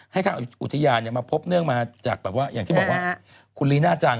ทางอุทยานมาพบเนื่องมาจากแบบว่าอย่างที่บอกว่าคุณลีน่าจัง